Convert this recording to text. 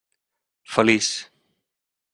Feliç.